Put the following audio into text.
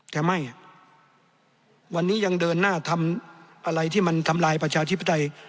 แต่ไม่อ่ะวันนี้ยังเดินหน้าทำอะไรที่มันทำลายประชาธิปไตย